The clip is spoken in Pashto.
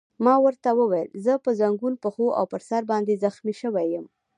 ما ورته وویل: زه په زنګون، پښو او پر سر باندې زخمي شوی یم.